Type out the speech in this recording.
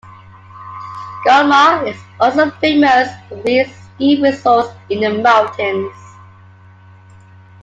Gunma is also famous for its ski resorts in the mountains.